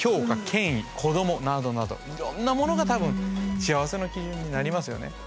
権威子どもなどなどいろんなものが多分幸せの基準になりますよね。